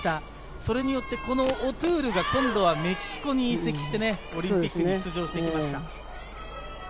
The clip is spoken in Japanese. それによってオトゥールが今度はメキシコに移籍してオリンピックに出場しました。